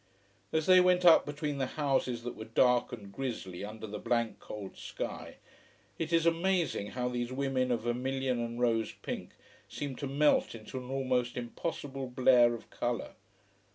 As they went up between the houses that were dark and grisly under the blank, cold sky, it is amazing how these women of vermilion and rose pink seemed to melt into an almost impossible blare of colour.